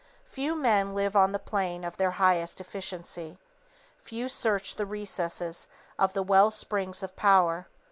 Few men live on the plane of their highest efficiency. Few search the recesses of the well springs of power.